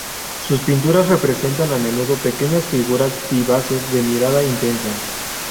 Sus pinturas representan a menudo pequeñas figuras vivaces de mirada intensa.